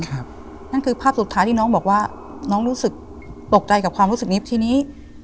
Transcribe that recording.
นั่นคือภาพสุดท้ายที่น้องบอกว่าน้องรู้สึกตกใจกับความรู้สึกนี้ทีนี้